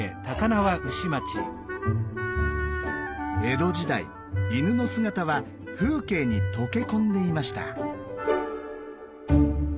江戸時代犬の姿は風景に溶け込んでいました。